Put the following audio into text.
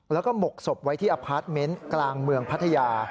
แล้วก็หมกศพไว้ที่อพาร์ทเมนต์กลางเมืองพัทยา